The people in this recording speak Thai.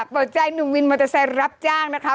เปิดใจหนุ่มวินมอเตอร์ไซค์รับจ้างนะคะ